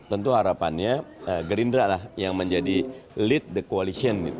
tentu harapannya gerindra lah yang menjadi lead the coalition